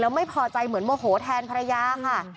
ไม่พอใจเหมือนโมโหแทนภรรยาค่ะ